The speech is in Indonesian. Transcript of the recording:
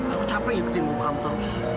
aku capek ngikutin kamu terus